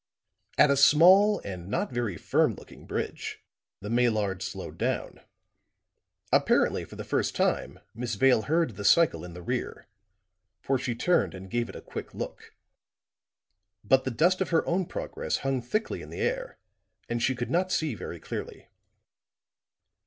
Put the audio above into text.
At a small and not very firm looking bridge the Maillard slowed down; apparently for the first time Miss Vale heard the cycle in the rear, for she turned and gave it a quick look. But the dust of her own progress hung thickly in the air and she could not see very clearly.